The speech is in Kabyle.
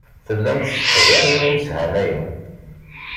Tellam tesseḥzanem imeshanayen.